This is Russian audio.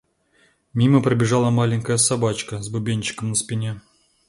Мимо пробежала маленькая собачка с бубенчиком на спине.